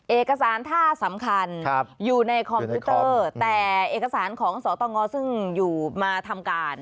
เอกสารท่าสำคัญอยู่ในคอมพิวเตอร์แต่เอกสารของสตงซึ่งอยู่มาทำการ